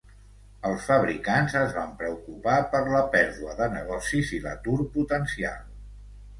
Els fabricants es van preocupar per la pèrdua de negocis i l'atur potencial.